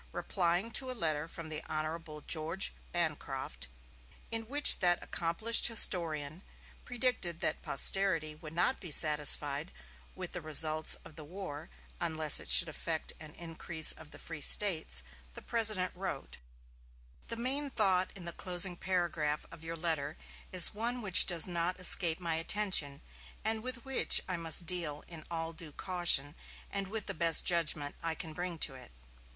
Replying to a letter from the Hon. George Bancroft, in which that accomplished historian predicted that posterity would not be satisfied with the results of the war unless it should effect an increase of the free States, the President wrote: "The main thought in the closing paragraph of your letter is one which does not escape my attention, and with which I must deal in all due caution, and with the best judgment I can bring to it."